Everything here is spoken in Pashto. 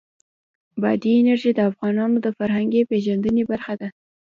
بادي انرژي د افغانانو د فرهنګي پیژندنې برخه ده.